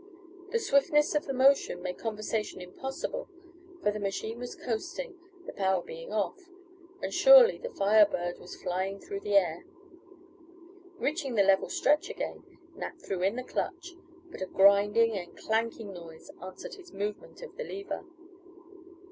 The swiftness of the motion made conversation impossible, for the machine was coasting, the power being off, and surely the Fire Bird was "flying through the air." Reaching the level stretch again, Nat threw in the clutch, but a grinding and clanking noise answered his movement of the lever.